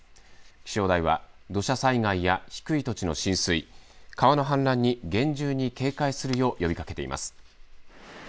気象台は土砂災害や低い土地の浸水、川の氾濫に厳重に警戒するよう呼びかけています。